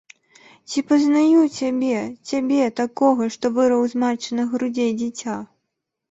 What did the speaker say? Ці пазнаю цябе, цябе, такога, што вырваў з матчыных грудзей дзіця.